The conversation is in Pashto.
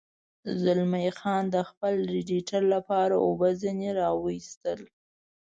زلمی خان د خپل رېډیټر لپاره اوبه ځنې را ویستل.